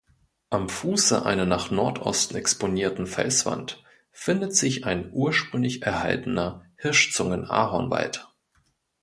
Am Fuße einer nach Nordosten exponierten Felswand findet sich ein ursprünglich erhaltener Hirschzungen-Ahornwald.